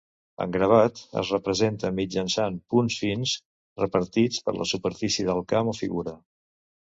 En gravat es representa mitjançant punts fins repartits per la superfície del camp o figura.